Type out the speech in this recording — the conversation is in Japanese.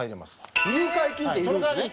入会金っているんですね。